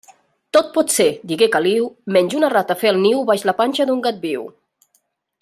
Tot pot ser, digué Caliu, menys una rata fer el niu baix la panxa d'un gat viu.